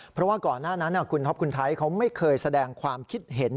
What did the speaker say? เพราะว่าก่อนหน้านั้นคุณท็อปคุณไทยเขาไม่เคยแสดงความคิดเห็น